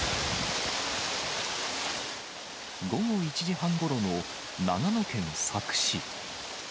午後１時半ごろの長野県佐久市。